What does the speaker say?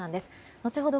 後ほど